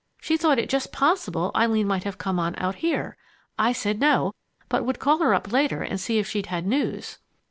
She thought it just possible Eileen might have come on out here. I said no, but would call her up later and see if she'd had news."